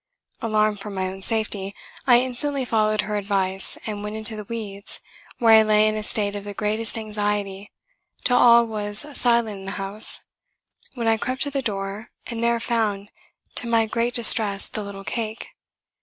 Alarmed for my own safety, I instantly followed her advice, and went into the weeds, where I lay in a state of the greatest anxiety, till all was silent in the house, when I crept to the door, and there found, to my great distress, the little cake!